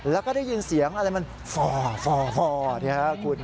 แล้วก็ได้ยินเสียงอะไรมันฟอร์นะครับคุณ